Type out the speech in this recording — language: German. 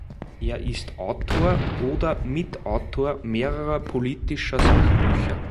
Er ist Autor oder Mitautor mehrerer politischer Sachbücher.